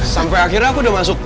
sampai akhirnya aku udah masuk